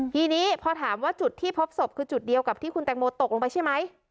ทีนี้พอถามว่าจุดที่พบศพคือจุดเดียวกับที่คุณแตงโมตกลงไปใช่ไหม